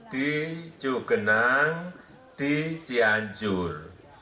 di jogenang di cianjur